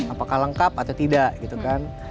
apakah lengkap atau tidak gitu kan